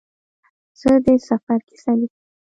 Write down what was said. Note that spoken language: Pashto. زه د سفر کیسه لیکم.